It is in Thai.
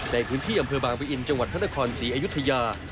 ในพื้นที่อำเภอบางปะอินจังหวัดพระนครศรีอยุธยา